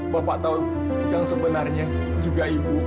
bapak tahu yang sebenarnya juga ibu